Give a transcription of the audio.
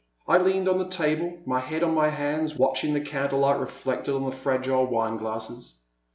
I leaned on the table, my head on my hands, watching the candle light reflected on the fragile wine glasses.